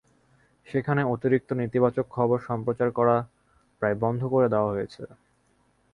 সেখানে অতিরিক্ত নেতিবাচক খবর সম্প্রচার করা প্রায় বন্ধ করে দেওয়া হয়েছে।